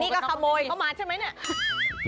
นี่ก็ขโมยเข้ามาใช่ไหมเนี่ย